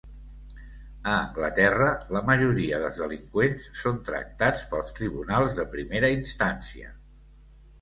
A Anglaterra, la majoria dels delinqüents són tractats pels tribunals de primera instància.